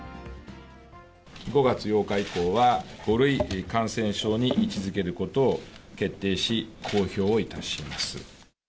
５月８日以降は、５類感染症に位置づけることを決定し、公表いたします。